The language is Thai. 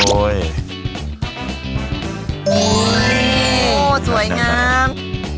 โอ้โหสวยงาม